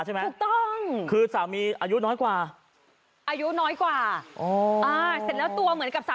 ฉันมันคนพ่อแหลกพวกผมช่วยกับตัวเองซะ